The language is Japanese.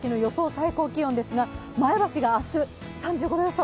最高気温ですが前橋が明日、３５度予想。